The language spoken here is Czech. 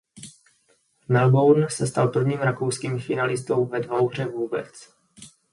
V Melbourne se stal prvním rakouským finalistou ve dvouhře vůbec.